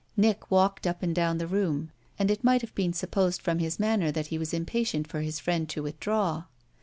Nick walked up and down the room, and it might have been supposed from his manner that he was impatient for his friend to withdraw.